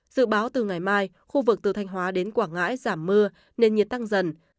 dự báo từ ngày mai khu vực từ thanh hóa đến quảng ngãi giảm mưa nền nhiệt tăng dần